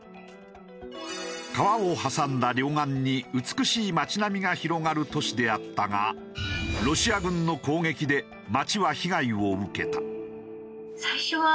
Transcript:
川を挟んだ両岸に美しい街並みが広がる都市であったがロシア軍の攻撃で街は被害を受けた。